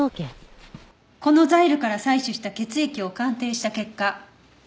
このザイルから採取した血液を鑑定した結果